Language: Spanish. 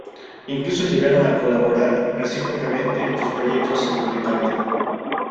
Incluso llegaron a colaboran recíprocamente en sus proyectos en solitario.